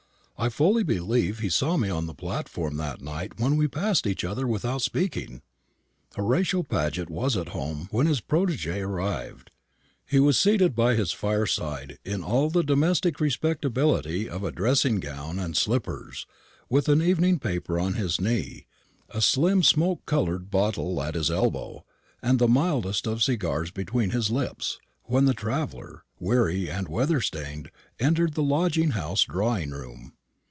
I fully believe he saw me on the platform that night when we passed each other without speaking." Horatio Paget was at home when his protegé arrived. He was seated by his fireside in all the domestic respectability of a dressing gown and slippers, with an evening paper on his knee, a slim smoke coloured bottle at his elbow, and the mildest of cigars between his lips, when the traveller, weary and weather stained, entered the lodging house drawing room.